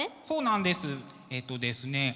そうなんですえっとですね